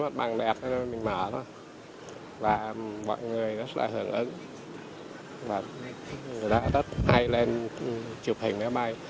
mặt bằng đẹp mình mở ra và mọi người rất là hưởng ứng người ta rất hay lên chụp hình máy bay